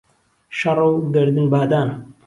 شەڕە و گەردن بادانە